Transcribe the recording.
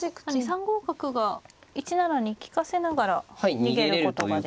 ３五角が１七に利かせながら逃げることができて。